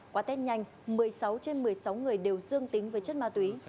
qua test nhanh một mươi sáu trên một mươi sáu người đều dương tính với chất ma túy